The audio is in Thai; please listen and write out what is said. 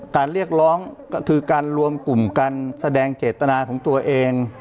เรียกร้องก็คือการรวมกลุ่มการแสดงเจตนาของตัวเอง